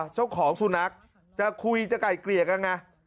เจ้าของสุนัขจะคุยจะไก่เกลี่ยกันไง